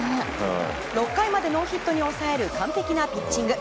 ６回までノーヒットに抑える完璧なピッチング。